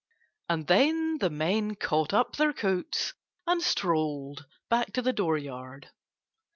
And then the men caught up their coats and strolled back to the dooryard.